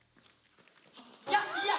いやいや。